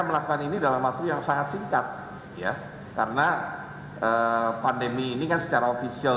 kedua alat ini sudah ada berarti kan perkembangannya cepat sekali